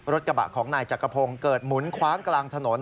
กระบะของนายจักรพงศ์เกิดหมุนคว้างกลางถนน